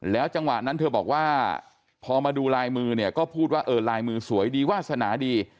จังหวะนั้นเธอบอกว่าพอมาดูลายมือเนี่ยก็พูดว่าเออลายมือสวยดีวาสนาดี